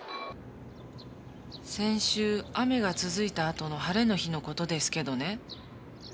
先週雨が続いたあとの晴れの日のことですけどね